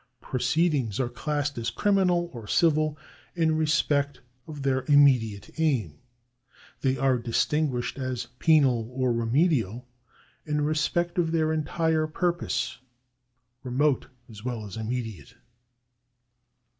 Pro ceedings are classed as criminal or civil in respect of their im mediate aim ; they are distinguished as penal or remedial in respect of their entire purpose, remote as well as immediate.